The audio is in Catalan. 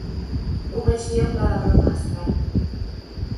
Ho vaig dir en pla de broma, és clar